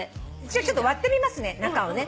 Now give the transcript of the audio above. ちょっと割ってみますね中をね。